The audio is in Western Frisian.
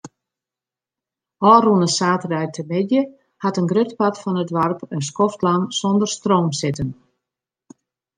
Ofrûne saterdeitemiddei hat in grut part fan it doarp in skoftlang sonder stroom sitten.